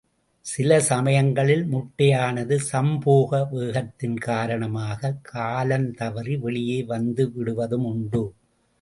சில சமயங்களில் முட்டையானது சம்போக வேகத்தின் காரணமாகக் காலந் தவறி வெளியே வந்து விடுவதுமுண்டு.